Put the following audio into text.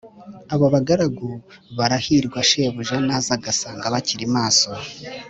Abo bagaragu barahirwa shebuja naza agasanga bakiri maso